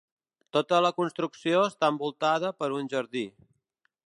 Tota la construcció està envoltada per un jardí.